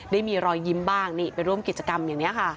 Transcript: ได้มีรอยยิ้มบ้างนี่ไปร่วมกิจกรรมอย่างนี้ค่ะ